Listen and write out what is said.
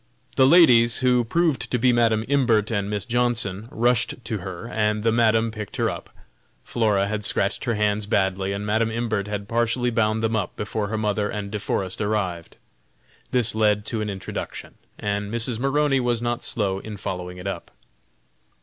The ladies, who proved to be Madam Imbert and Miss Johnson, rushed to her, and the Madam picked her up. Flora had scratched her hands badly, and Madam Imbert had partially bound them up before her mother and De Forest arrived. This led to an introduction, and Mrs. Maroney was not slow in following it up.